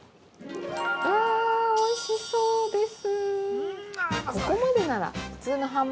うわ、おいしそうです。